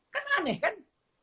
kan aneh kan